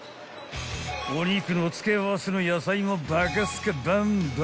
［お肉の付け合わせの野菜もバカスカバンバン］